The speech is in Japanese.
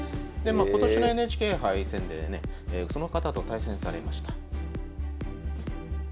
今年のＮＨＫ杯戦でねその方と対戦されました。